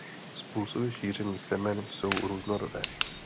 Způsoby šíření semen jsou různorodé.